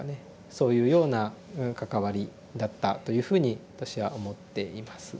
そういうような関わりだったというふうに私は思っています。